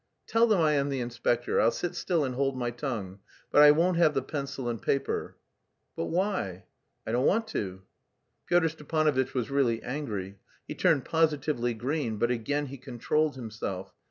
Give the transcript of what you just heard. "Tell them I am the inspector; I'll sit still and hold my tongue, but I won't have the pencil and paper." "But why?" "I don't want to." Pyotr Stepanovitch was really angry; he turned positively green, but again he controlled himself.